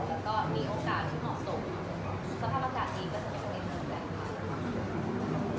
แล้วก็มีโอกาสส่วนสูงสถาปกติที่ก็จะเป็นสำเร็จ